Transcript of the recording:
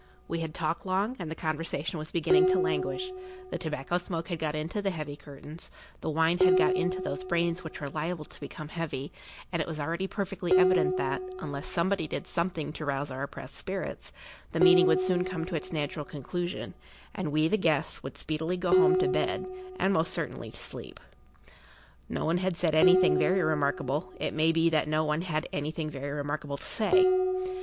We had talked long, and the conversation was beginning to languish; the tobacco smoke had got into the heavy curtains, the wine had got into those brains which were liable to become heavy, and it was already perfectly evident that, unless somebody did something to rouse our oppressed spirits, the meeting would soon come to its natural conclusion, and we, the guests, would speedily go home to bed, and most certainly to sleep. No one had said anything very[Pg 4] remarkable; it may be that no one had anything very remarkable to say.